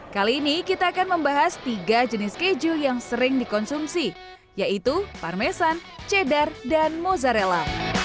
kali ini kita akan membahas tiga jenis keju yang sering dikonsumsi yaitu parmesan cheddar dan mozzarella